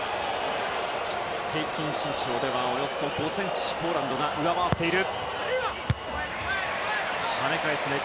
平均身長ではおよそ５ｃｍポーランドが上回っている。